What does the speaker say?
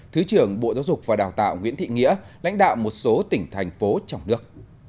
thứ trưởng bộ giáo dục và đào tạo nguyễn thị nghĩa lãnh đạo một số tỉnh thành phố trong nước